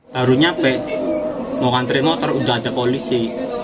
baru nyampe mau ngantri motor udah ada polisi